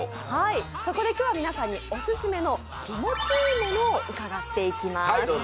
そこで今日は皆さんにオススメの気持ち良いものを伺っていきます。